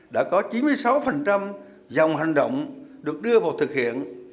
đã có chín mươi sáu dòng hành động được đưa vào thực hiện